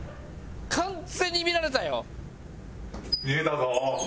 完全に見られたよ。